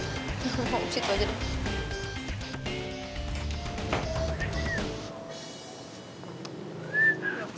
situ aja deh